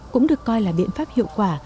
cũng được coi là biện pháp hiệu quả